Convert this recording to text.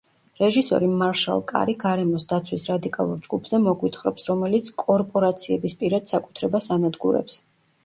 რეჟისორი მარშალ კარი გარემოს დაცვის რადიკალურ ჯგუფზე მოგვითხრობს, რომელიც კორპორაციების პირად საკუთრებას ანადგურებს.